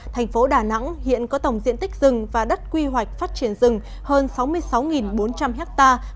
thành phố đà nẵng hiện có tổng diện tích rừng và đất quy hoạch phát triển rừng hơn sáu mươi sáu bốn trăm linh hectare